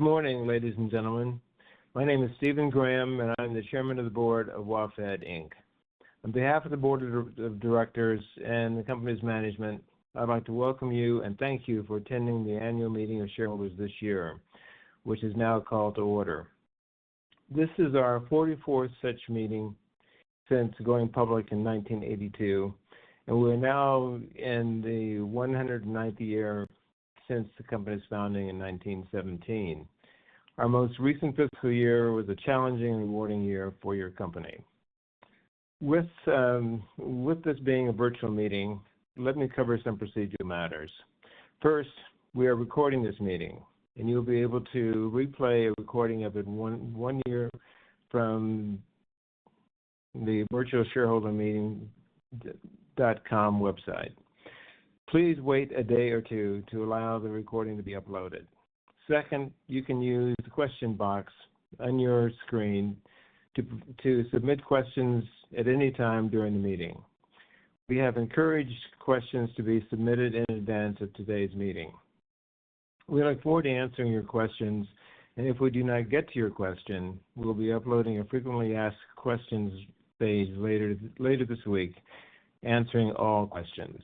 Good morning, ladies and gentlemen. My name is Stephen Graham, and I'm the Chairman of the Board of WaFd Inc. On behalf of the Board of Directors and the company's management, I'd like to welcome you and thank you for attending the annual meeting of shareholders this year, which is now called to order. This is our 44th such meeting since going public in 1982, and we're now in the 109th year since the company's founding in 1917. Our most recent fiscal year was a challenging and rewarding year for your company. With this being a virtual meeting, let me cover some procedural matters. First, we are recording this meeting, and you'll be able to replay a recording of it in one year from the virtualshareholdermeeting.com website. Please wait a day or two to allow the recording to be uploaded. Second, you can use the question box on your screen to submit questions at any time during the meeting. We have encouraged questions to be submitted in advance of today's meeting. We look forward to answering your questions, and if we do not get to your question, we'll be uploading a frequently asked questions page later this week, answering all questions.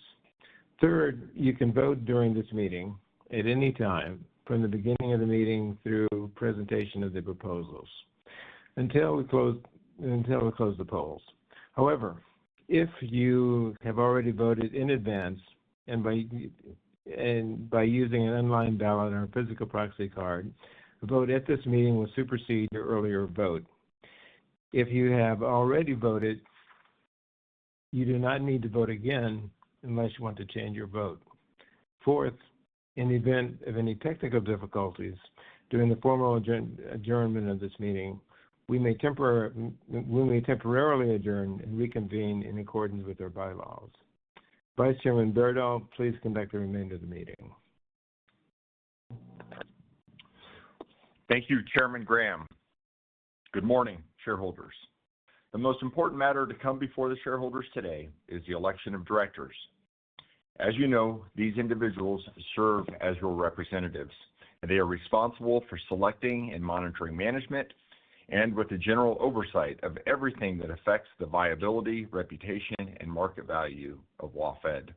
Third, you can vote during this meeting at any time from the beginning of the meeting through presentation of the proposals, until we close the polls. However, if you have already voted in advance by using an online ballot or a physical proxy card, the vote at this meeting will supersede your earlier vote. If you have already voted, you do not need to vote again unless you want to change your vote. Fourth, in the event of any technical difficulties during the formal adjournment of this meeting, we may temporarily adjourn and reconvene in accordance with our bylaws. Vice Chairman Beardall, please conduct the remainder of the meeting. Thank you, Chairman Graham. Good morning, shareholders. The most important matter to come before the shareholders today is the election of directors. As you know, these individuals serve as your representatives, and they are responsible for selecting and monitoring management and with the general oversight of everything that affects the viability, reputation, and market value of WaFd.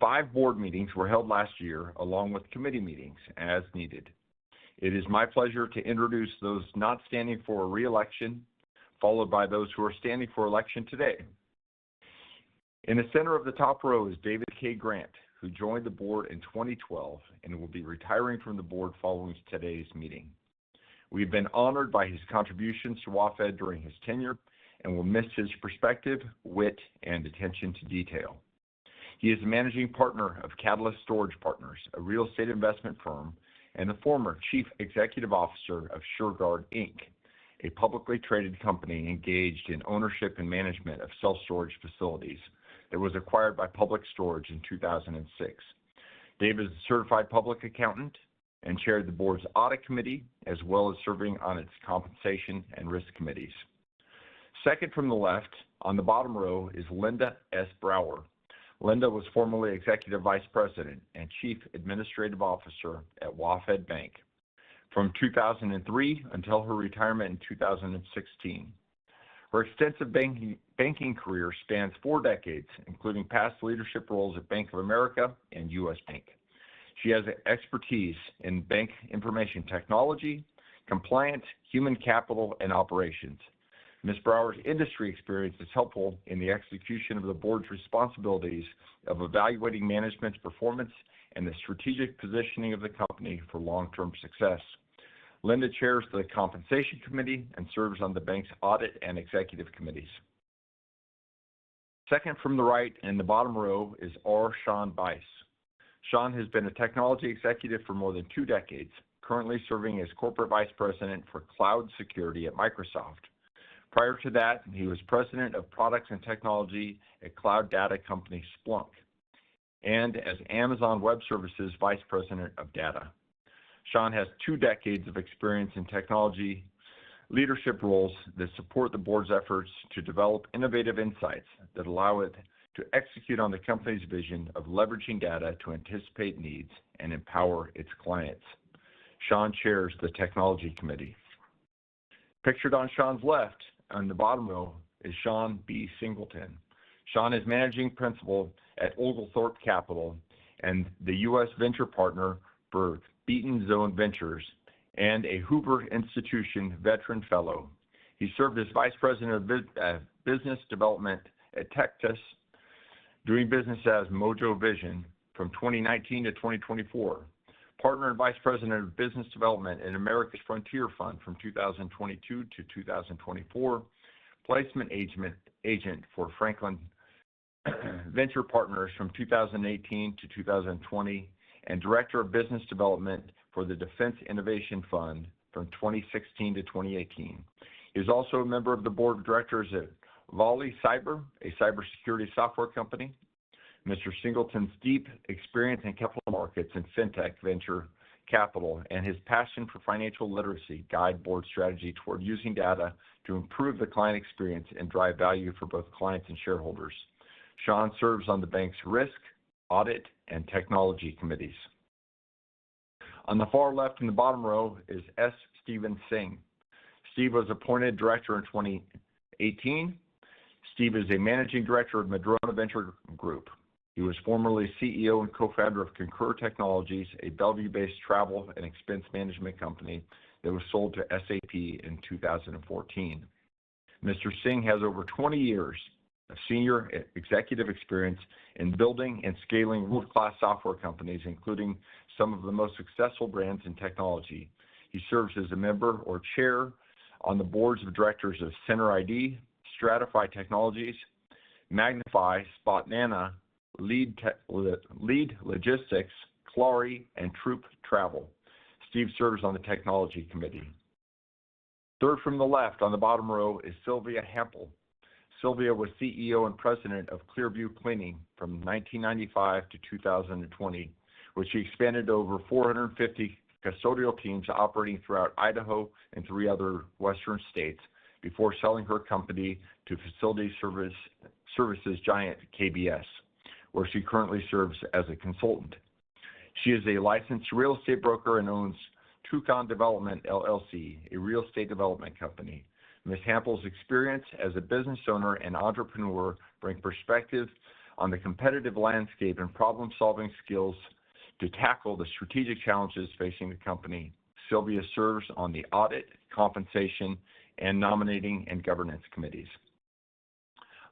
Five board meetings were held last year, along with committee meetings as needed. It is my pleasure to introduce those not standing for reelection, followed by those who are standing for election today. In the center of the top row is David K. Grant, who joined the board in 2012 and will be retiring from the board following today's meeting. We've been honored by his contributions to WaFd during his tenure and will miss his perspective, wit, and attention to detail. He is the managing partner of Catalyst Storage Partners, a real estate investment firm, and the former chief executive officer of Shurgard Storage Centers, a publicly traded company engaged in ownership and management of self-storage facilities that was acquired by Public Storage in 2006. David is a certified public accountant and chaired the board's audit committee, as well as serving on its compensation and risk committees. Second from the left on the bottom row is Linda S. Brower. Linda was formerly Executive Vice President and Chief Administrative Officer at WaFd Bank from 2003 until her retirement in 2016. Her extensive banking career spans four decades, including past leadership roles at Bank of America and U.S. Bank. She has expertise in bank information technology, compliance, human capital, and operations. Ms. Brower's industry experience is helpful in the execution of the board's responsibilities of evaluating management's performance and the strategic positioning of the company for long-term success. Linda chairs the Compensation Committee and serves on the bank's Audit and Executive Committees. Second from the right, in the bottom row is R. Sean Bice. Sean has been a technology executive for more than two decades, currently serving as Corporate Vice President for Cloud Security at Microsoft. Prior to that, he was President of Products and Technology at cloud data company Splunk, and as Amazon Web Services Vice President of Data. Sean has two decades of experience in technology leadership roles that support the board's efforts to develop innovative insights that allow it to execute on the company's vision of leveraging data to anticipate needs and empower its clients. Sean chairs the Technology Committee. Pictured on Sean's left, on the bottom row, is Sean B. Singleton. Sean is Managing Principal at Oglethorpe Capital and the US venture partner for Beaten Zone Ventures and a Hoover Institution veteran fellow. He served as Vice President of Business Development at Tectus, doing business as Mojo Vision from 2019 to 2024. Partner and Vice President of Business Development in America's Frontier Fund from 2022 to 2024, placement agent for Franklin Venture Partners from 2018 to 2020, and Director of Business Development for the Defense Innovation Unit from 2016 to 2018. He's also a member of the board of directors at Volley Cyber, a cybersecurity software company. Mr. Singleton's deep experience in capital markets and fintech venture capital, and his passion for financial literacy guide board strategy toward using data to improve the client experience and drive value for both clients and shareholders. Sean serves on the bank's Risk, Audit, and Technology committees. On the far left, in the bottom row, is S. Steven Singh. Steve was appointed director in 2018. Steve is a managing director of Madrona Venture Group. He was formerly CEO and co-founder of Concur Technologies, a Bellevue-based travel and expense management company that was sold to SAP in 2014. Mr. Singh has over 20 years of senior executive experience in building and scaling world-class software companies, including some of the most successful brands in technology. He serves as a member or chair on the boards of directors of Center ID, Stratify Technologies, Magnify, Spotnana, Leaf Logistics, Clari, and Troop Travel. Steve serves on the Technology Committee. Third from the left on the bottom row is Sylvia Hampel. Sylvia was CEO and President of Clearview Cleaning from 1995 to 2020, which she expanded to over 450 custodial teams operating throughout Idaho and three other Western states before selling her company to facility services giant KBS, where she currently serves as a consultant. She is a licensed real estate broker and owns Toucan Development, LLC, a real estate development company. Ms. Hampel's experience as a business owner and entrepreneur bring perspective on the competitive landscape and problem-solving skills to tackle the strategic challenges facing the company. Sylvia serves on the Audit, Compensation, and Nominating & Governance committees.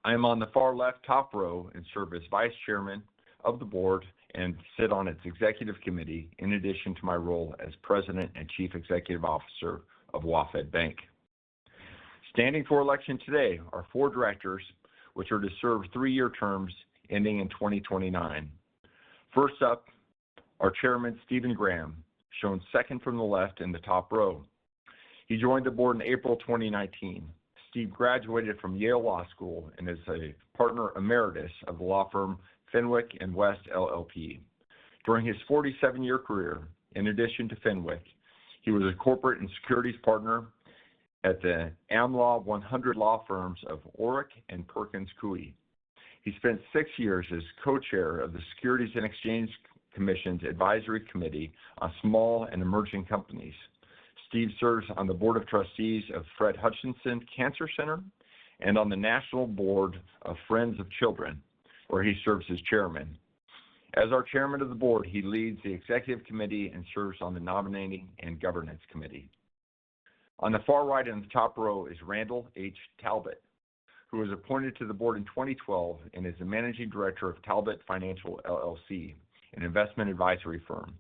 I am on the far left, top row, and serve as Vice Chairman of the board and sit on its executive committee, in addition to my role as President and Chief Executive Officer of WaFd Bank. Standing for election today are four directors, which are to serve three-year terms ending in 2029. First up, our Chairman, Stephen Graham, shown second from the left in the top row. He joined the board in April 2019. Steve graduated from Yale Law School and is a partner emeritus of the law firm Fenwick & West LLP. During his 47-year career, in addition to Fenwick, he was a corporate and securities partner at the Am Law 100 law firms of Orrick and Perkins Coie. He spent six years as co-chair of the Securities and Exchange Commission's Advisory Committee on Small and Emerging Companies. Steve serves on the board of trustees of Fred Hutchinson Cancer Center and on the National Board of Friends of the Children, where he serves as chairman. As our Chairman of the Board, he leads the executive committee and serves on the Nominating and Governance Committee. On the far right, in the top row, is Randall H. Talbot, who was appointed to the board in 2012 and is the managing director of Talbot Financial, LLC, an investment advisory firm.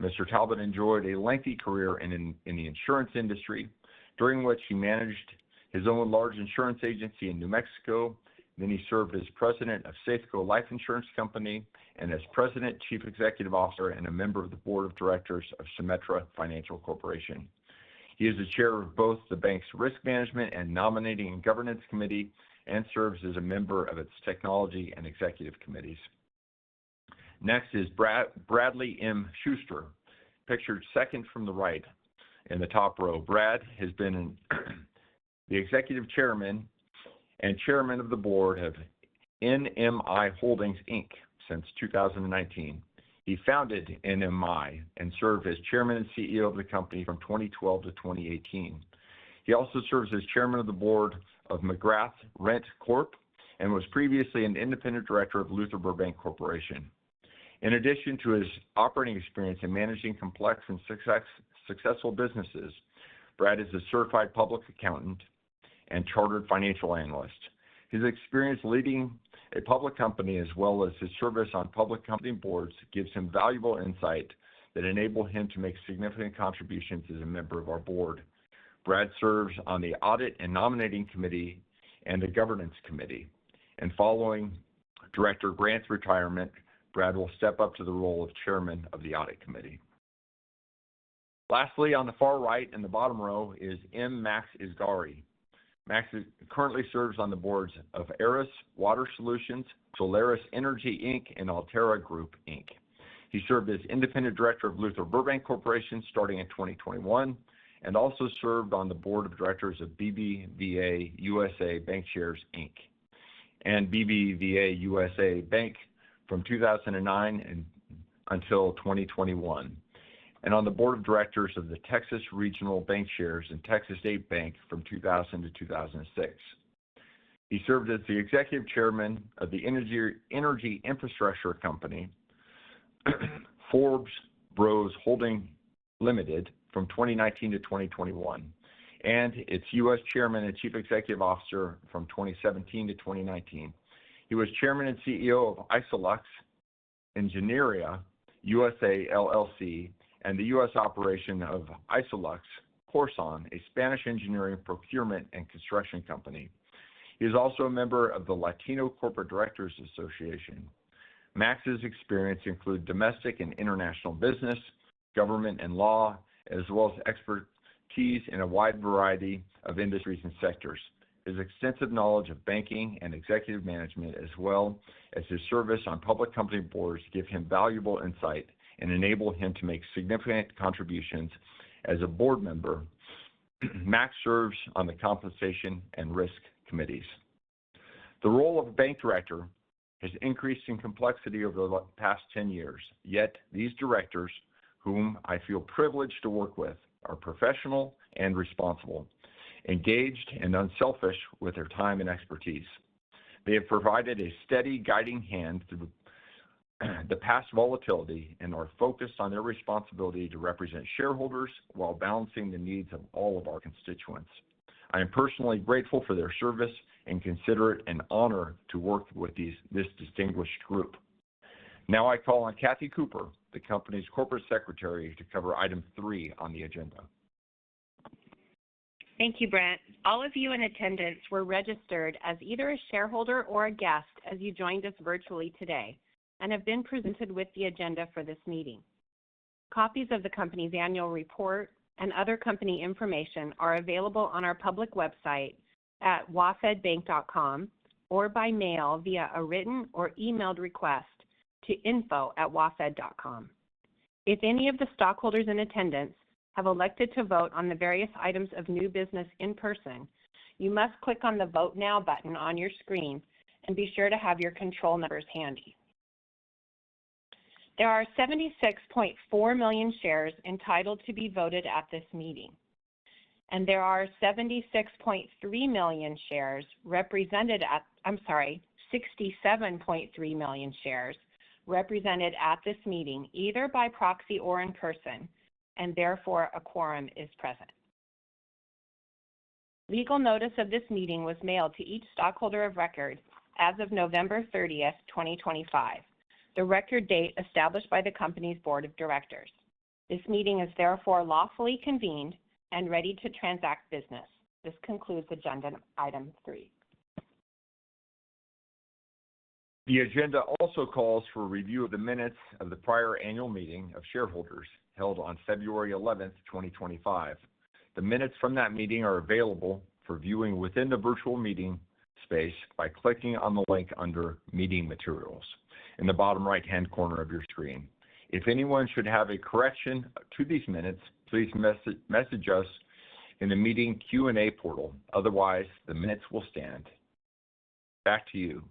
Mr. Talbot enjoyed a lengthy career in the insurance industry, during which he managed his own large insurance agency in New Mexico. Then he served as president of Safeco Life Insurance Company and as president, chief executive officer, and a member of the board of directors of Symetra Financial Corporation. He is the Chair of both the bank's Risk Management and Nominating and Governance Committee, and serves as a member of its Technology and Executive committees. Next is Bradley M. Shuster, pictured second from the right in the top row. Brad has been the executive chairman and chairman of the board of NMI Holdings, Inc. since 2019. He founded NMI and served as chairman and CEO of the company from 2012 to 2018. He also serves as chairman of the board of McGrath RentCorp and was previously an independent director of Luther Burbank Corporation. In addition to his operating experience in managing complex and successful businesses, Brad is a certified public accountant and chartered financial analyst. His experience leading a public company, as well as his service on public company boards, gives him valuable insight that enable him to make significant contributions as a member of our board. Brad serves on the Audit and Nominating Committee and the Governance Committee. Following Director Grant's retirement, Brad will step up to the role of chairman of the Audit Committee. Lastly, on the far right, in the bottom row, is M. Max Yzaguirre. Max currently serves on the boards of Aris Water Solutions, Solaris Energy, Inc., and Altria Group, Inc. He served as independent director of Luther Burbank Corporation starting in 2021, and also served on the board of directors of BBVA USA Bancshares, Inc. and BBVA USA Bank from 2009 and until 2021, and on the board of directors of the Texas Regional Bancshares and Texas State Bank from 2000 to 2006. He served as the executive chairman of the energy infrastructure company, Forbes Bros. Holdings Ltd. from 2019 to 2021, and its U.S. chairman and chief executive officer from 2017 to 2019. He was chairman and CEO of Isolux Ingenieria USA, LLC, and the U.S. operation of Isolux Corsan, a Spanish engineering, procurement, and construction company. He is also a member of the Latino Corporate Directors Association. Max's experience include domestic and international business, government and law, as well as expertise in a wide variety of industries and sectors. His extensive knowledge of banking and executive management, as well as his service on public company boards, give him valuable insight and enable him to make significant contributions as a board member.... Max serves on the Compensation and Risk committees. The role of a bank director has increased in complexity over the last past 10 years. Yet these directors, whom I feel privileged to work with, are professional and responsible, engaged and unselfish with their time and expertise. They have provided a steady guiding hand through the past volatility and are focused on their responsibility to represent shareholders while balancing the needs of all of our constituents. I am personally grateful for their service and consider it an honor to work with this distinguished group. Now, I call on Cathy Cooper, the company's Corporate Secretary, to cover item three on the agenda. Thank you, Brent. All of you in attendance were registered as either a shareholder or a guest as you joined us virtually today, and have been presented with the agenda for this meeting. Copies of the company's annual report and other company information are available on our public website at wafdbank.com, or by mail via a written or emailed request to info@wafd.com. If any of the stockholders in attendance have elected to vote on the various items of new business in person, you must click on the Vote Now button on your screen and be sure to have your control numbers handy. There are 76.4 million shares entitled to be voted at this meeting, and there are 76.3 million shares represented at... I'm sorry, 67.3 million shares represented at this meeting, either by proxy or in person, and therefore a quorum is present. Legal notice of this meeting was mailed to each stockholder of record as of November 30th, 2025, the record date established by the company's board of directors. This meeting is therefore lawfully convened and ready to transact business. This concludes agenda item three. The agenda also calls for a review of the minutes of the prior annual meeting of shareholders held on February 11, 2025. The minutes from that meeting are available for viewing within the virtual meeting space by clicking on the link under Meeting Materials in the bottom right-hand corner of your screen. If anyone should have a correction to these minutes, please message us in the meeting Q&A portal. Otherwise, the minutes will stand. Back to you,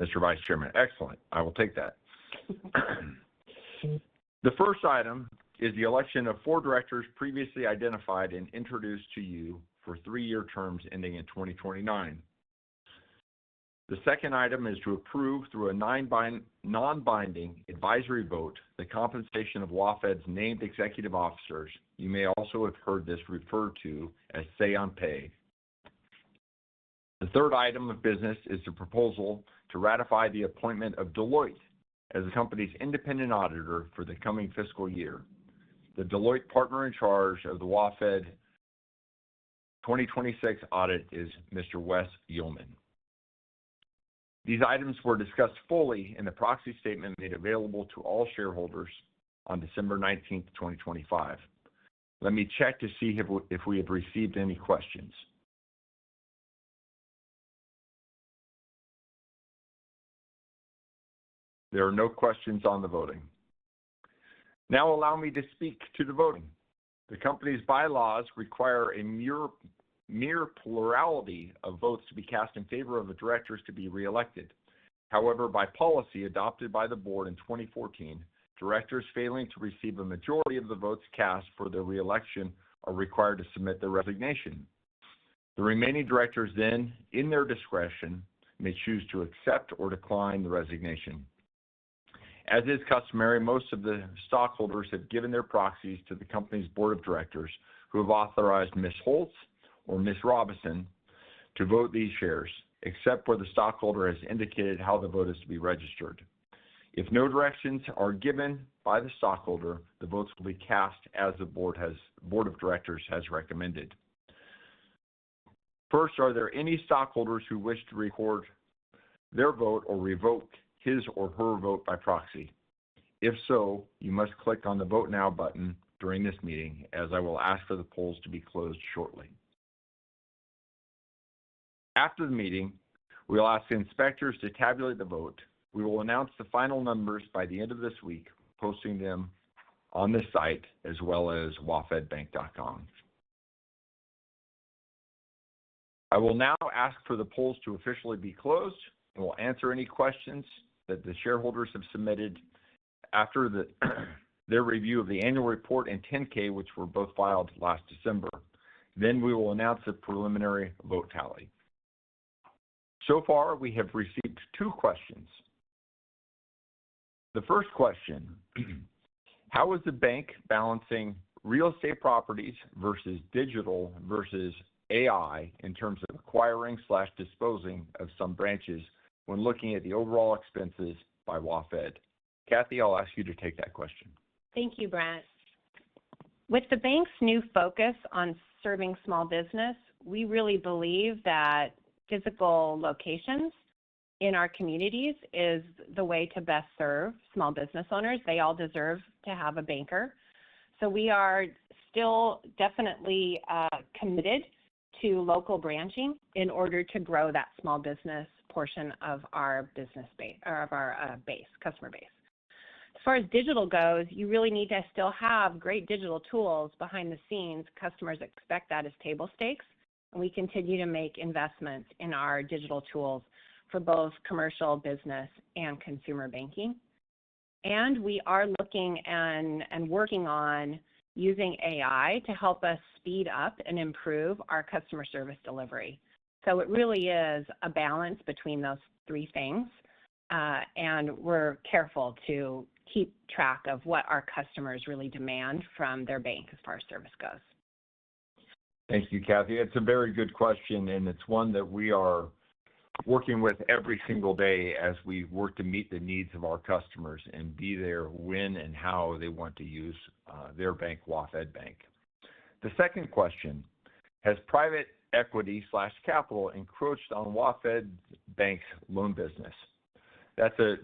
Mr. Vice Chairman. Excellent. I will take that. The first item is the election of four directors previously identified and introduced to you for three-year terms ending in 2029. The second item is to approve, through a non-binding advisory vote, the compensation of WaFd's named executive officers. You may also have heard this referred to as say on pay. The third item of business is the proposal to ratify the appointment of Deloitte as the company's independent auditor for the coming fiscal year. The Deloitte partner in charge of the WaFd 2026 audit is Mr. Wes Yeoman. These items were discussed fully in the proxy statement made available to all shareholders on December 19, 2025. Let me check to see if we, if we have received any questions. There are no questions on the voting. Now allow me to speak to the voting. The company's bylaws require a mere, mere plurality of votes to be cast in favor of the directors to be reelected. However, by policy adopted by the board in 2014, directors failing to receive a majority of the votes cast for their reelection are required to submit their resignation. The remaining directors then, in their discretion, may choose to accept or decline the resignation. As is customary, most of the stockholders have given their proxies to the company's board of directors, who have authorized Ms. Holtz or Ms. Robison to vote these shares, except where the stockholder has indicated how the vote is to be registered. If no directions are given by the stockholder, the votes will be cast as the board of directors has recommended. First, are there any stockholders who wish to record their vote or revoke his or her vote by proxy? If so, you must click on the Vote Now button during this meeting, as I will ask for the polls to be closed shortly. After the meeting, we will ask the inspectors to tabulate the vote. We will announce the final numbers by the end of this week, posting them on this site as well as wafdbank.com. I will now ask for the polls to officially be closed, and we'll answer any questions that the shareholders have submitted after the, their review of the annual report and 10-K, which were both filed last December. Then we will announce the preliminary vote tally. So far, we have received 2 questions. The first question: How is the bank balancing real estate properties versus digital versus AI in terms of acquiring/disposing of some branches when looking at the overall expenses by WaFd? Cathy, I'll ask you to take that question. Thank you, Brent. With the bank's new focus on serving small business, we really believe that physical locations in our communities is the way to best serve small business owners. They all deserve to have a banker, so we are still definitely committed to local branching in order to grow that small business portion of our business base or of our base, customer base. As far as digital goes, you really need to still have great digital tools behind the scenes. Customers expect that as table stakes, and we continue to make investments in our digital tools for both commercial business and consumer banking. And we are looking and working on using AI to help us speed up and improve our customer service delivery. It really is a balance between those three things, and we're careful to keep track of what our customers really demand from their bank as far as service goes. Thank you, Cathy. It's a very good question, and it's one that we are working with every single day as we work to meet the needs of our customers and be there when and how they want to use their bank, WaFd Bank. The second question: Has private equity capital encroached on WaFd Bank's loan business? That's a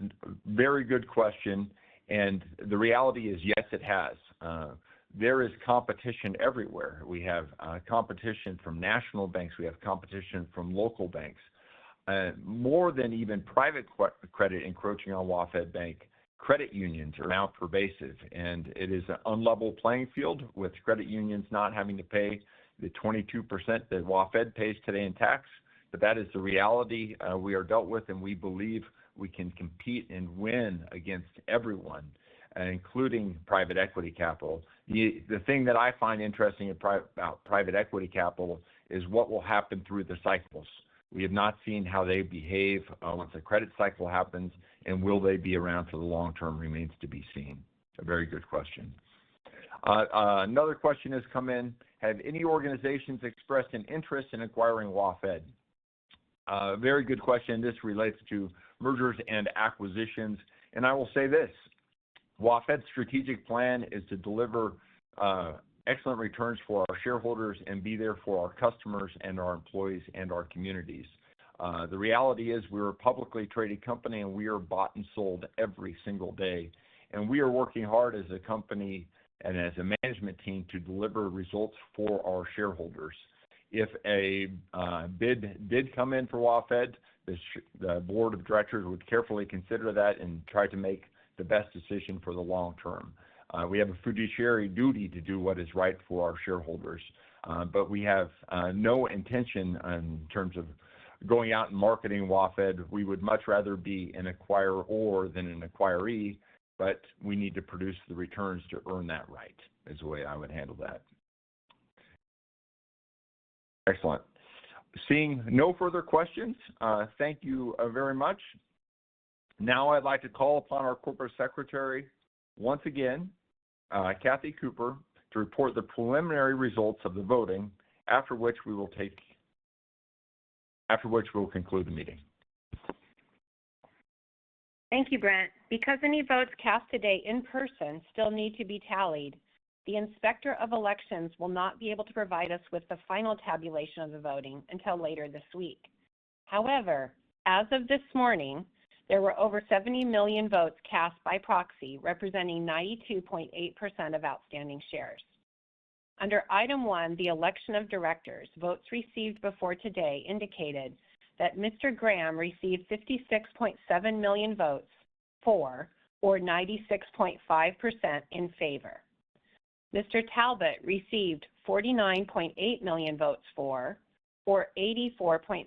very good question, and the reality is, yes, it has. There is competition everywhere. We have competition from national banks. We have competition from local banks. More than even private credit encroaching on WaFd Bank, credit unions are now pervasive, and it is an unlevel playing field with credit unions not having to pay the 22% that WaFd pays today in tax. But that is the reality, we are dealt with, and we believe we can compete and win against everyone, including private equity capital. The thing that I find interesting about private equity capital is what will happen through the cycles. We have not seen how they behave, once a credit cycle happens, and will they be around for the long term, remains to be seen. A very good question. Another question has come in: Have any organizations expressed an interest in acquiring WaFd? A very good question. This relates to mergers and acquisitions, and I will say this: WaFd's strategic plan is to deliver, excellent returns for our shareholders and be there for our customers and our employees and our communities. The reality is we're a publicly traded company, and we are bought and sold every single day. We are working hard as a company and as a management team to deliver results for our shareholders. If a bid did come in for WaFd, the board of directors would carefully consider that and try to make the best decision for the long term. We have a fiduciary duty to do what is right for our shareholders, but we have no intention in terms of going out and marketing WaFd. We would much rather be an acquirer than an acquiree, but we need to produce the returns to earn that right, is the way I would handle that. Excellent. Seeing no further questions, thank you very much. Now I'd like to call upon our corporate secretary once again, Cathy Cooper, to report the preliminary results of the voting, after which we will take... After which we will conclude the meeting. Thank you, Brent. Because any votes cast today in person still need to be tallied, the inspector of elections will not be able to provide us with the final tabulation of the voting until later this week. However, as of this morning, there were over 70 million votes cast by proxy, representing 92.8% of outstanding shares. Under Item 1, the election of directors, votes received before today indicated that Mr. Graham received 56.7 million votes for, or 96.5% in favor. Mr. Talbot received 49.8 million votes for, or 84.6%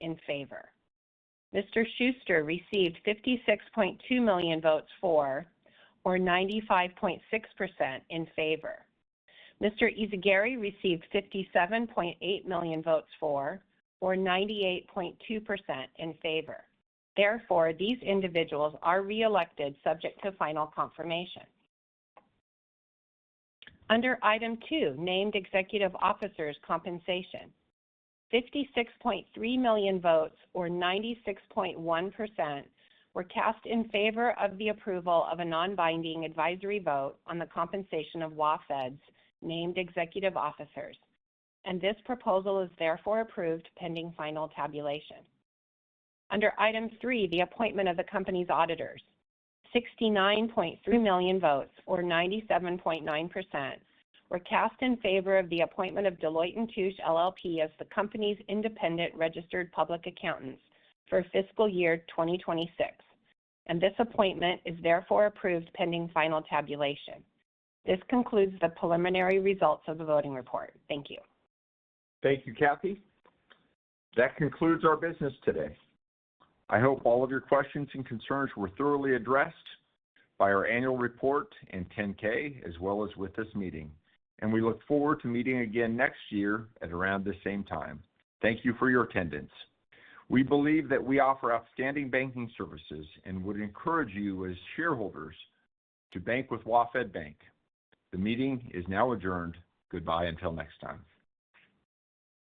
in favor. Mr. Shuster received 56.2 million votes for, or 95.6% in favor. Mr. Yzaguirre received 57.8 million votes for, or 98.2% in favor. Therefore, these individuals are reelected, subject to final confirmation. Under Item 2, named Executive Officers Compensation, 56.3 million votes, or 96.1%, were cast in favor of the approval of a non-binding advisory vote on the compensation of WaFd's named executive officers, and this proposal is therefore approved pending final tabulation. Under Item 3, the appointment of the company's auditors, 69.3 million votes, or 97.9%, were cast in favor of the appointment of Deloitte & Touche LLP as the company's independent registered public accountants for fiscal year 2026, and this appointment is therefore approved, pending final tabulation. This concludes the preliminary results of the voting report. Thank you. Thank you, Cathy. That concludes our business today. I hope all of your questions and concerns were thoroughly addressed by our annual report and 10-K, as well as with this meeting, and we look forward to meeting again next year at around the same time. Thank you for your attendance. We believe that we offer outstanding banking services and would encourage you, as shareholders, to bank with WaFd Bank. The meeting is now adjourned. Goodbye until next time.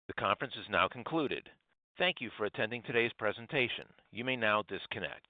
The conference is now concluded. Thank you for attending today's presentation. You may now disconnect.